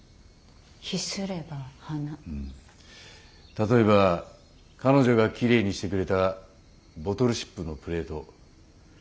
例えば彼女がきれいにしてくれたボトルシップのプレート。